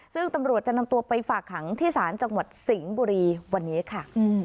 ซึ่งตำรวจจะนำตัวไปฝากหังที่ศาลจังหวัดสิงห์บุรีวันนี้ค่ะ